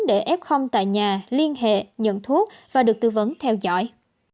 để ép không tại nhà liên hệ nhận thuốc và được tư vấn theo dõi